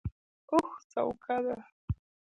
اوښ څوکه ده.